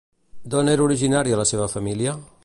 D'on era originària la seva família?